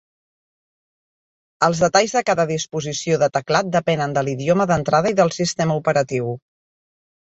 Els detalls de cada disposició de teclat depenen de l'idioma d'entrada i del sistema operatiu.